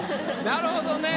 なるほどね。